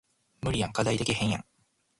無理やん課題できへんやん